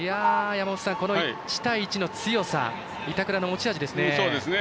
１対１の強さ板倉の持ち味ですね。